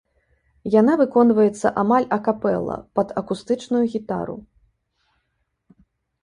Яна выконваецца амаль акапэла, пад акустычную гітару.